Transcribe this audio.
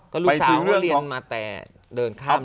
ก็ลูกสาวก็เรียนมาแต่เดินข้าม